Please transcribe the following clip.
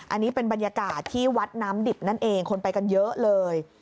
อันนี้เป็นบรรยากาศที่วัดน้ำดิบนั่นเองคนไปกันเยอะเลย